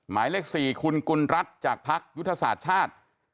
หมายเลข๔คุณกุลรัฐจากพักยุทธศาสตร์ชาติ